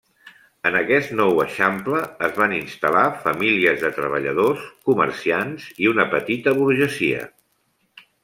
En aquest nou eixample es van instal·lar famílies de treballadors, comerciants i una petita burgesia.